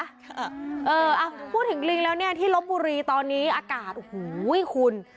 เออพูดถึงลิงแล้วเนี่ยที่ลบบุรีตอนนี้อากาศโอ้โหคุณ